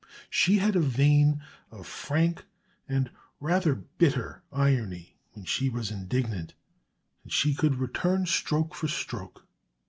She had a vein of frank and rather bitter irony when she was indignant, and she could return stroke for stroke.